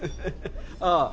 ああ。